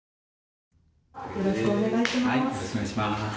よろしくお願いします。